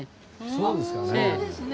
そうですね。